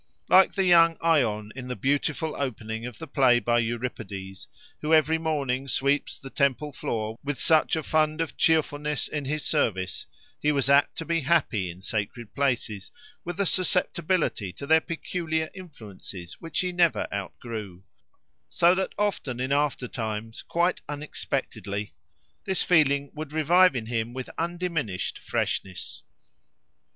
Like the young Ion in the beautiful opening of the play of Euripides, who every morning sweeps the temple floor with such a fund of cheerfulness in his service, he was apt to be happy in sacred places, with a susceptibility to their peculiar influences which he never outgrew; so that often in after times, quite unexpectedly, this feeling would revive in him with undiminished freshness.